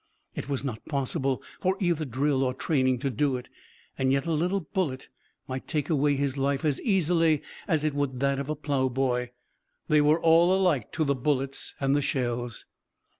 It was not possible for either drill or training to do it, and yet a little bullet might take away his life as easily as it would that of a plowboy. They were all alike to the bullets and the shells.